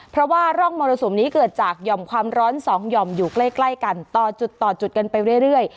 เพราะว่าร่องมรสุมนี้เกิดจากหย่อมความร้อนสองหย่อมอยู่ใกล้กันต่อจุดต่อจุดกันไปเรื่อย